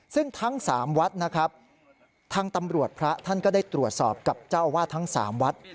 ซึ่งทั้ง๓วัดนะครับทางตำรวจพระท่านก็ได้ตรวจสอบกับเจ้าอาวาสทั้ง๓วัด